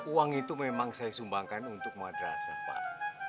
uang itu memang saya sumbangkan untuk madrasah pak